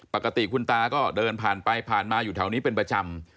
ปกติคุณตาก็เดินผ่านไปผ่านมาอยู่แถวนี้เป็นประจำ